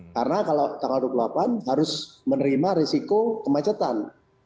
karena kalau tanggal dua puluh delapan harus menerima risiko kemacetan